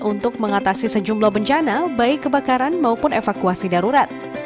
untuk mengatasi sejumlah bencana baik kebakaran maupun evakuasi darurat